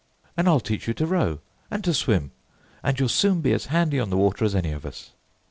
And I'll teach you to row, and to swim, and you'll soon be as handy on the water as any of us."